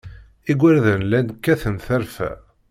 Igerdan llan kkaten tarfa.